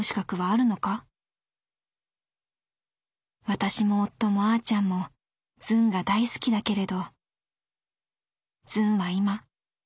私も夫もあーちゃんもズンが大好きだけれどズンはいまどう思ってるの？」。